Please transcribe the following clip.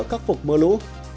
các phục mưa lũ